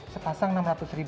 sepasang rp enam ratus